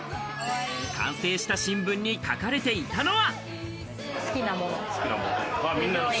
完成した新聞に書かれていたのは。